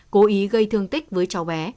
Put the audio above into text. cố ý gây thương tích với cháu bé